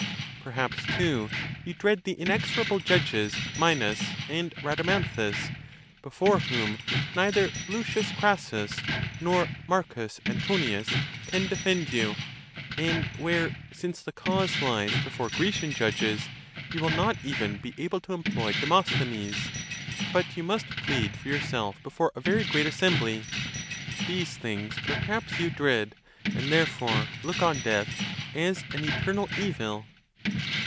Perhaps, too, you dread the inexorable judges, Minos and Rhadamanthus; before whom neither L. Crassus nor M. Antonius can defend you; and where, since the cause lies before Grecian judges, you will not even be able to employ Demosthenes; but you must plead for yourself before a ON THE CONTEMPT OF DEATH. 13 very great assembly. These things perhaps you dread, and therefore look on death as an eternal evil.